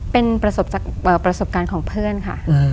เป็นประสบการณ์ของเพื่อนค่ะ